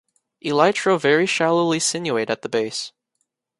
Elytra very shallowly sinuate at the base.